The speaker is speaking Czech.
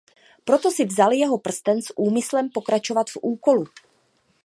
Proto si vzal jeho prsten s úmyslem pokračovat v úkolu.